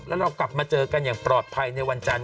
แล้วเรากลับมาเจอกันอย่างปลอดภัยในวันจันทร์